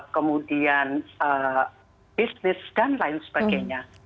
kemudian bisnis dan lain sebagainya